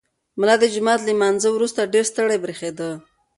ملا د جومات له لمانځه وروسته ډېر ستړی برېښېده.